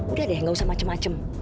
udah deh gak usah macem macem